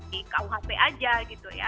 di kuhp aja gitu ya